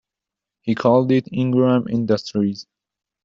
He called it Ingram Industries.